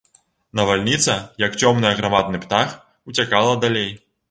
Навальніца, як цёмны аграмадны птах, уцякала далей.